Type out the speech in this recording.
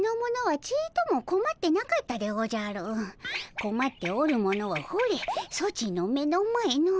こまっておる者はほれソチの目の前の。